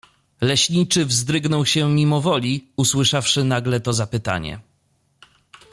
Leśniczy wzdrygnął się mimo woli, usłyszawszy nagle to zapytanie.